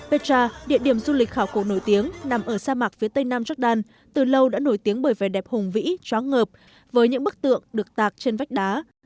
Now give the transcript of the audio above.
petra địa điểm du lịch khảo cổ nổi tiếng nằm ở sa mạc phía tây nam jordan từ lâu đã nổi tiếng bởi vẻ đẹp hùng vĩ tróng ngợp với những bức tượng được tạc trên vách đá